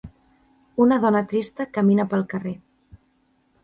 Una dona trista camina pel carrer.